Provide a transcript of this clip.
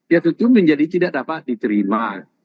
ya tentu menjadi tidak dapat diterima